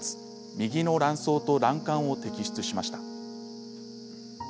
右の卵巣と卵管を摘出しました。